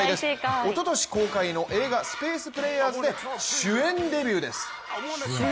おととし公開の映画「スペース・プレイヤーズ」で主演デビューです。